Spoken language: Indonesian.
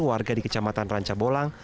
warga di kecamatan ranca bolang